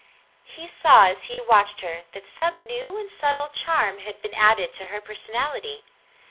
He saw as he watched her that some new and subtile charm had been added to her personality.